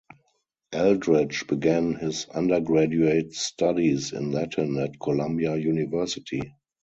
Eldredge began his undergraduate studies in Latin at Columbia University.